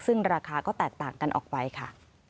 ซึ่งราคาก็แตกต่างกันออกไปค่ะ